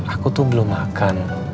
aku tuh belum mati